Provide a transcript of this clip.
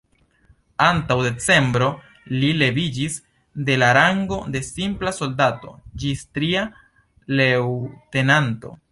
Antaŭ decembro, li leviĝis de la rango de simpla soldato ĝis tria leŭtenanto.